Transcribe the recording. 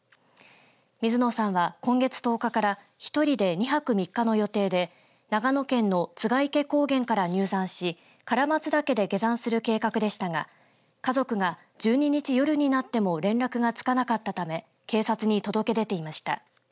水野さんは今月１０日から１人で２泊３日の予定で長野県の栂池高原から入山し唐松岳で下山する計画でしたが家族が１２日夜になっても連絡がつかなかったため警察に届け出ていました。